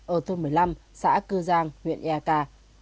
ở thôn một mươi năm xã cư giang huyện ea ca